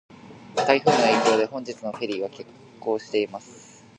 台風の影響で、本日のフェリーは欠航します。